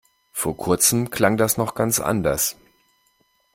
Vor kurzem klang das noch ganz anders.